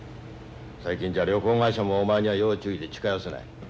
最近じゃ旅行会社もお前には要注意で近寄せない。